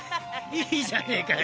いいじゃねぇかよ。